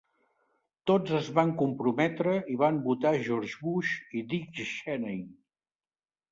Tots es van comprometre i van votar a George Bush i Dick Cheney.